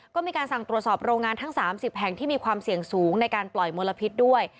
ก็มีการสั่งตรวจสอบโรงงานทั้ง๓๐แห่งที่มีความเสี่ยงสูงในการปล่อยมลพิษด้วย